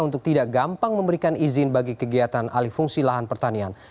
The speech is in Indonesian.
untuk tidak gampang memberikan izin bagi kegiatan alih fungsi lahan pertanian